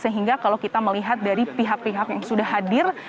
sehingga kalau kita melihat dari pihak pihak yang sudah hadir